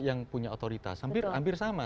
yang punya otoritas hampir sama